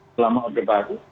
selama obat baru